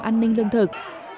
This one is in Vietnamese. an ninh lương thực